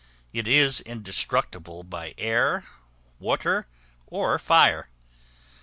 It is indestructible by air, water, or fire.